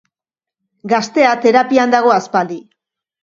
Gaztea terapian dago aspaldi.